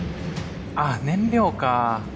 あっ燃料か。